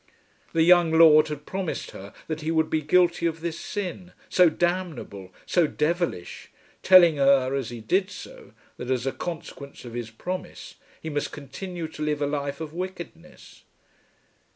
The young lord had promised her that he would be guilty of this sin, so damnable, so devilish, telling her as he did so, that as a consequence of his promise he must continue to live a life of wickedness!